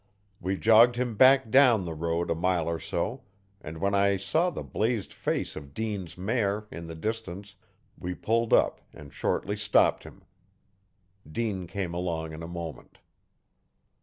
We jogged him back down the road a mile or so, and when I saw the blazed face of Dean's mare, in the distance, we pulled up and shortly stopped him. Dean came along in a moment.